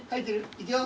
いくよ。